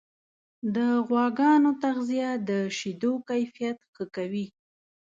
د غواګانو تغذیه د شیدو کیفیت ښه کوي.